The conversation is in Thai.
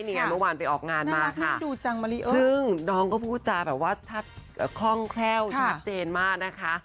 นี่ไงเมื่อวานไปออกงานมาค่ะซึ่งน้องก็พูดจาแบบว่าชัดคล่องแคล่วชัดเจนมากนะคะ